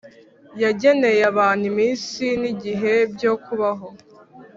Yageneye abantu iminsi n’igihe byo kubaho,